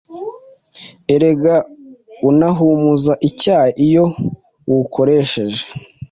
erega unahumuza icyayi iyo uwukoresheje